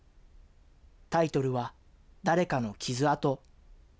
タイトルは、誰かの傷跡。